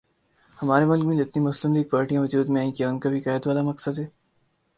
ہمارے ملک میں جتنی مسلم لیگ پارٹیاں وجود میں آرہی ہیں کیا انکا بھی قائد والا مقصد ہے